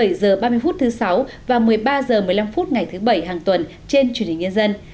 bảy h ba mươi phút thứ sáu và một mươi ba h một mươi năm phút ngày thứ bảy hàng tuần trên truyền hình nhân dân